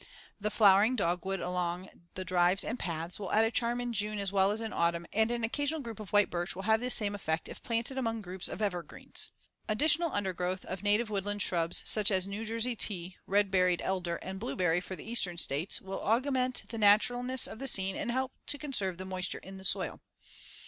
The flowering dogwood along the drives and paths will add a charm in June as well as in autumn and an occasional group of white birch will have the same effect if planted among groups of evergreens. Additional undergrowth of native woodland shrubs, such as New Jersey tea, red berried elder and blueberry for the Eastern States, will augment the naturalness of the scene and help to conserve the moisture in the soil.